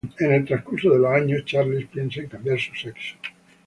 En el transcurso de los años, Charles piensa en cambiar su sexo.